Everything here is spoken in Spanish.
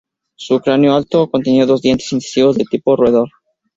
Su cráneo, alto, contenía dos dientes incisivos de tipo roedor.